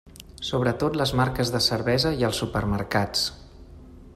Sobretot les marques de cervesa i els supermercats.